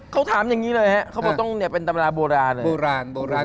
เขาถามอย่างนี้เลยเขาบอกต้องเป็นตำราโบราณ